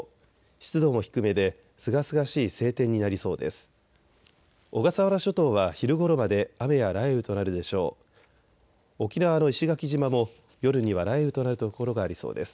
湿度も低めですがすがしい晴天になりそうです。